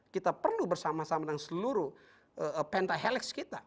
kita perlu bersama sama dengan seluruh pentahelix kita